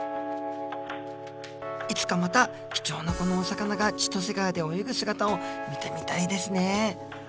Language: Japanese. いつかまた貴重なこのお魚が千歳川で泳ぐ姿を見てみたいですね